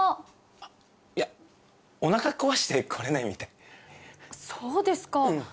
あっいやおなか壊して来れないみたいそうですかうん